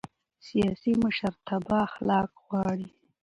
سیاسي مشرتابه اخلاق غواړي